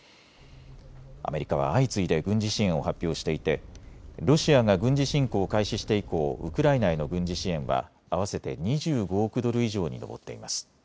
アメリカは相次いで軍事支援を発表していてロシアが軍事侵攻を開始して以降、ウクライナへの軍事支援は合わせて２５億ドル以上に上っています。